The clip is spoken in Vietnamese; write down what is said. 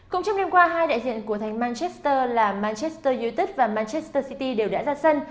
cùng trong đêm qua hai đại diện của thành manchester là manchester united và manchester city đều đã ra sân